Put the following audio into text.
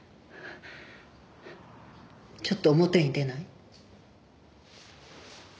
ちょっと表に出ない？